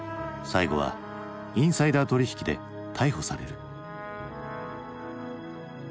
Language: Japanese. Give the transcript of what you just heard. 最後はインサイダー取引で逮捕される。